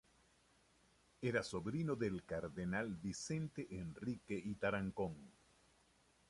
Era sobrino del cardenal Vicente Enrique y Tarancón.